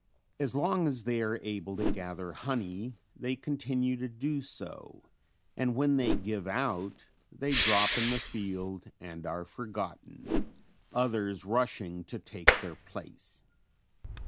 As long as they are able to gather honey they continue to do so and when they give out they drop in the field and are forgotten, others rushing to take their place.